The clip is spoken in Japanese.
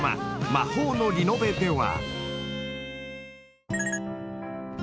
『魔法のリノベ』では］